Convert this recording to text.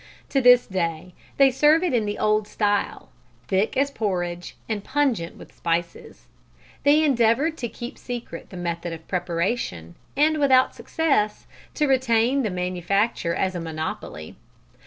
To this day they serve it in the old style thick as porridge and pungent with spices. They endeavoured to keep secret the method of preparation, and, without success, to retain the manufacture as a monopoly.